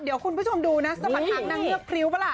เดี๋ยวคุณผู้ชมดูนะสมัครครับนางเงือกพริ๊วปะละ